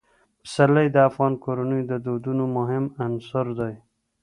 پسرلی د افغان کورنیو د دودونو مهم عنصر دی.